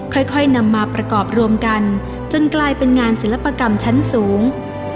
ค่อยนำมาประกอบรวมกันจนกลายเป็นงานศิลปกรรมชั้นสูง